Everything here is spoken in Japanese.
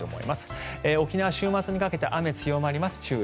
沖縄、週末にかけて雨が強まります。